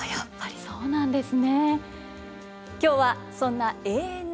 そうなんですよね。